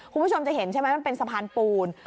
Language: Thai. คุณผู้ชมจะเห็นใช่ไหมมันเป็นสะพานปูน